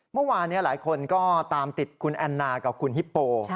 เมื่อวานนี้หลายคนก็ตามติดคุณแอนนากับคุณฮิปโป